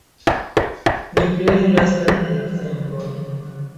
Ni prenu lastan ekzemplon.